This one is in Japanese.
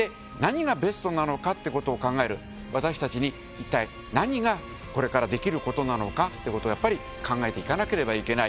一体何がこれからできる事なのかっていう事を笋辰僂考えていかなければいけない。